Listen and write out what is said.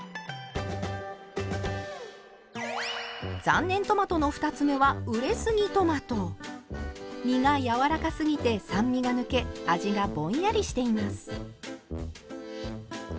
残念トマトの２つ目は実がやわらかすぎて酸味が抜け味がぼんやりしています。